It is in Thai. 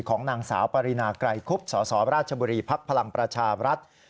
ของนางสาวปรินาไกรคุบสสราชบุรีภักดิ์พลังประชาบรัฐ